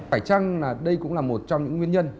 phải chăng là đây cũng là một trong những nguyên nhân